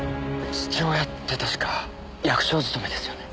父親って確か役所勤めですよね？